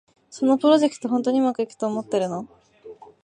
そのプロジェクト、本当にうまくいくと思ってるの？